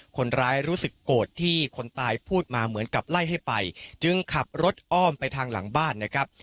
รู้สึกโกรธที่คนตายพูดมาเหมือนกับไล่ให้ไปจึงขับรถอ้อมไปทางหลังบ้านนะครับ